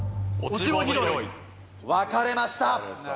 分かれました！